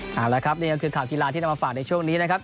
เอาละครับนี่ก็คือข่าวกีฬาที่นำมาฝากในช่วงนี้นะครับ